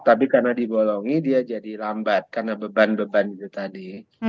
tapi karena dibolongi dia jadi lambat karena beban beban itu tadi